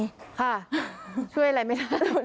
ค่ะช่วยอะไรไม่ได้